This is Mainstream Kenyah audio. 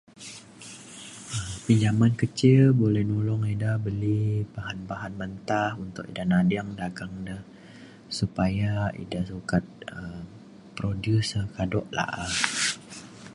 um pinjaman kecil buleh nulong ida beli bahan bahan mentah untuk ida nading dageng de supaya ida sukat um produce kado la'a